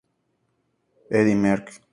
Eddy Merckx.